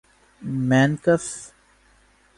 مینکس